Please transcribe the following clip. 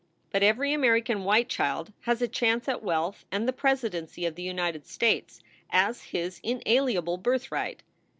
But every American white child has a chance at wealth and the Presidency of the United States as his inalienable birthright.